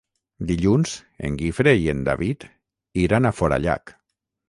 Dilluns en Guifré i en David iran a Forallac.